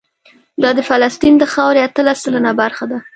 دا د فلسطین د خاورې اتلس سلنه برخه ده.